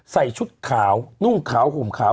ชุดขาวนุ่งขาวห่มขาว